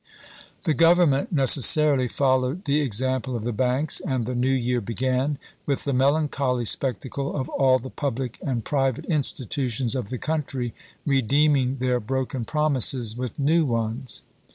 The Government neces sarily followed the example of the banks, and the new year began with the melancholy spectacle of all the public and private institutions of the coun try redeeming their broken promises with new ones.